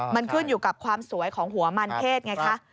มันขึ้นอยู่กับความสวยของหัวมันเพศไงคะ